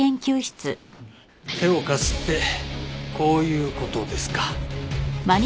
手を貸すってこういう事ですか。